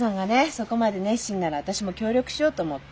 そこまで熱心なら私も協力しようと思って。